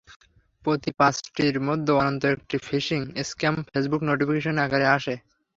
প্রতি পাঁচটির মধ্যে অন্তত একটি ফিশিং স্ক্যাম ফেসবুক নোটিফিকেশন আকারে আসে।